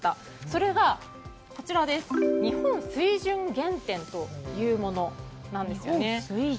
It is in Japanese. それが日本水準原点というものです。